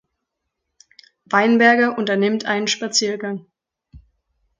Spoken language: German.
Weinberger unternimmt einen Spaziergang.